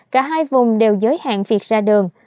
cả hai vùng đều giới hạn việc ra đường